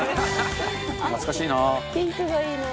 懐かしいな。